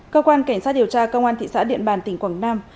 cơ quan cảnh sát điều tra cơ quan thị xã điện bàn tỉnh quảng nam